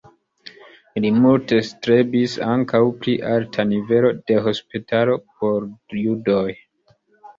Li multe strebis ankaŭ pri alta nivelo de hospitalo por judoj.